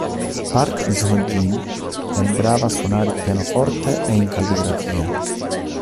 Park So-jin è brava a suonare il pianoforte e in calligrafia.